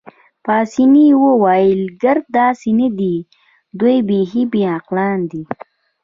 پاسیني وویل: ګرد داسې نه دي، دوی بیخي بې عقلان دي.